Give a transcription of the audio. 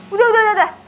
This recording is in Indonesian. udah udah udah